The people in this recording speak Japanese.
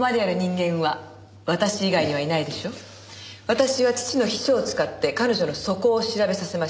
私は父の秘書を使って彼女の素行を調べさせました。